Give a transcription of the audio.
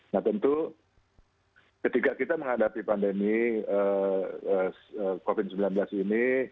nah tentu ketika kita menghadapi pandemi covid sembilan belas ini